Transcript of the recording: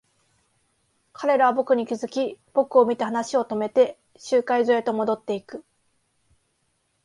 彼らは僕に気づき、僕を見て話を止めて、集会所へと戻っていく。